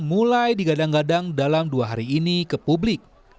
mulai digadang gadang dalam dua hari ini ke publik